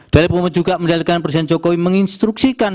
dalil pemohon juga menyalakan presiden jokowi menginstruksikan